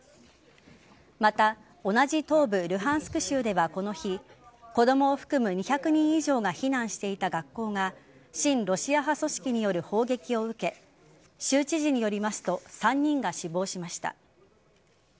また、同じ東部ルハンスク州では、この日子供を含む２００人以上が避難していた学校が親ロシア派組織による砲撃を受け州知事によりますと３人が死亡しました。